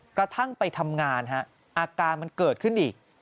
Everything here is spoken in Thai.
กระทั่งไปทำงานอาการมันเกิดขึ้นอีก